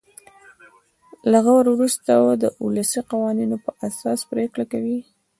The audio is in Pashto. له غور وروسته د ولسي قوانینو په اساس پرېکړه کوي.